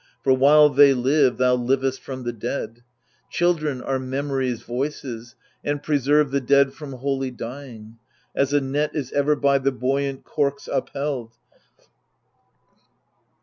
For while they live, thou livest from the dead ; Children are memory's voices, and preserve The dead from wholly dying : as a net Is ever by the buoyant corks upheld.